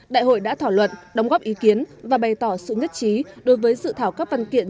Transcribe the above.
đại hội đã thảo luận đóng góp ý kiến và bày tỏ sự nhất trí đối với dự thảo các văn kiện